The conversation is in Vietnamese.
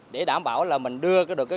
để đảm bảo là mình đưa được